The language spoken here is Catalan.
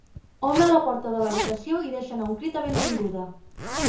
Obre la porta de l'habitació i deixa anar un crit de benvinguda.